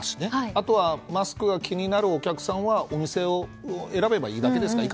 あとはマスクが気になるお客さんはお店を選べばいいだけですから。